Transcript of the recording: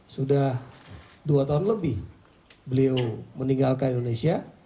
sudah dua tahun lebih beliau meninggalkan indonesia